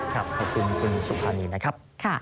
ขอบคุณคุณสุภานีนะครับ